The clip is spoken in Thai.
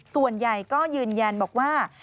ส่วนใหญ่ก็ยืนยันบอกว่า